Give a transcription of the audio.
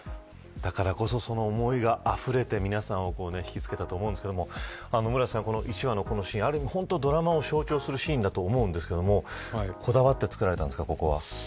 だからこそ、その思いがあふれて皆さんをひきつけたと思いますが１話のこのシーンドラマを象徴するシーンだと思いますがこだわって作られたんですか。